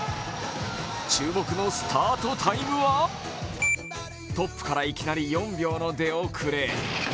注目のスタートタイムはトップからいきなり４秒の出遅れ。